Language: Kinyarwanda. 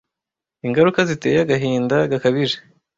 Ingaruka ziteye agahinda gakabije